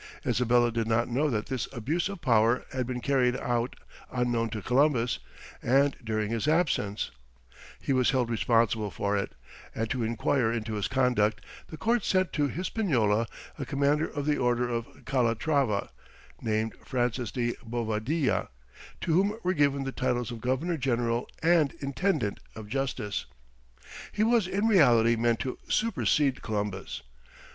Isabella did not know that this abuse of power had been carried out unknown to Columbus and during his absence; he was held responsible for it, and to inquire into his conduct, the Court sent to Hispaniola a commander of the order of Calatrava, named Francis de Bovadilla, to whom were given the titles of Governor general, and Intendant of Justice. He was in reality meant to supersede Columbus.